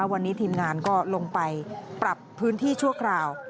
วันนี้ทีมงานก็ลงไปปรับพื้นที่ชั่วคราว